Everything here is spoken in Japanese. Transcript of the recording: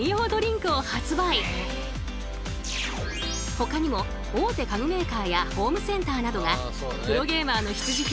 ほかにも大手家具メーカーやホームセンターなどがプロゲーマーの必需品